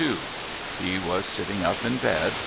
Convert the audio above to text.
He was sitting up in bed.